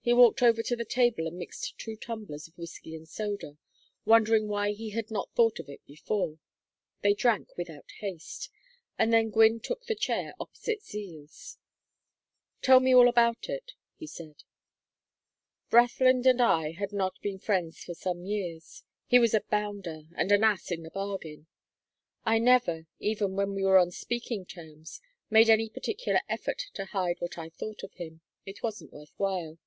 He walked over to the table and mixed two tumblers of whiskey and soda, wondering why he had not thought of it before. They drank without haste, and then Gwynne took the chair opposite Zeal's. "Tell me all about it," he said. "Brathland and I had not been friends for some years. He was a bounder, and an ass in the bargain. I never, even when we were on speaking terms, made any particular effort to hide what I thought of him it wasn't worth while.